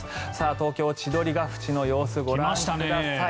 東京・千鳥ヶ淵の様子ご覧ください。